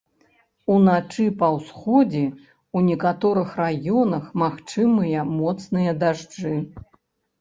Уначы па ўсходзе ў некаторых раёнах магчымыя моцныя дажджы.